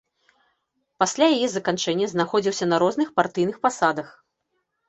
Пасля яе заканчэння знаходзіўся на розных партыйных пасадах.